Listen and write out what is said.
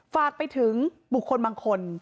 ฝากไปถึงบุคคลบางคน